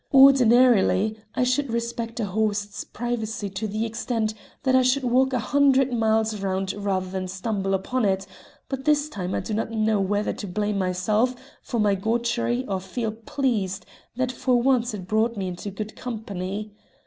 "Ordinarily, I should respect a host's privacy to the extent that I should walk a hundred miles round rather than stumble upon it, but this time I do not know whether to blame myself for my gaucherie or feel pleased that for once it brought me into good company.